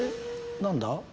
何だ？